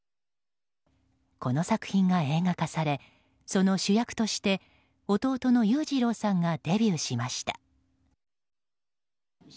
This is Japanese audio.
この作品が映画化されその主役として弟の裕次郎さんがデビューしました。